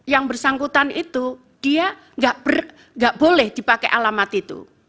yang bersangkutan itu dia tidak boleh dipakai alamat itu